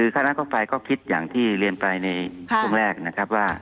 คณะเข้าไปก็คิดอย่างที่เรียนไปในช่วงแรกนะครับว่า